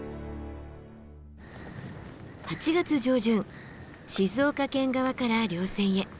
８月上旬静岡県側から稜線へ。